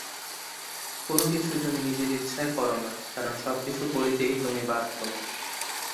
কোন কিছুই তুমি নিজের ইচ্ছায় কর না, কারণ সবকিছু করিতেই তুমি বাধ্য।